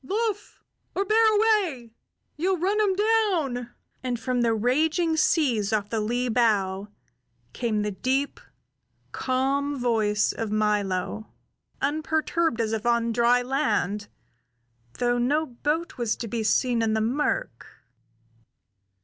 "Luff, or bear away; ye'll run him down!" And from the raging seas off the lee bow came the deep, calm voice of Milo, unperturbed as if on dry land, though no boat was to be seen in the murk.